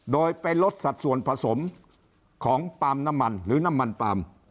โดยไปลดสัดส่วนผสมของปาล์มน้ำมันหรือน้ำมันปาล์ม